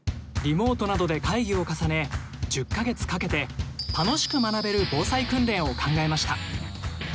リモートなどで会議を重ね１０か月かけて楽しく学べる防災訓練を考えました。